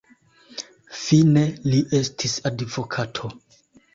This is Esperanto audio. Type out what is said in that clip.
Fine li estis advokato.